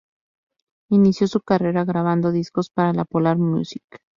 Inició su carrera grabando discos para la Polar Music.